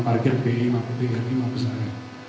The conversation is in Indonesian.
parger bri bri mah besar